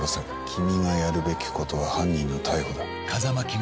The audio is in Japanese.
君がやるべきことは犯人の逮捕だ。